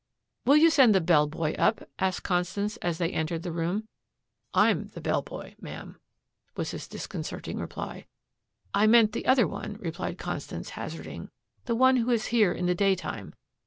"Will you send the bell boy up?" asked Constance as they entered the room. "I'm the bell boy ma'am," was his disconcerting reply. "I mean the other one," replied Constance, hazarding, "the one who is here in the day time."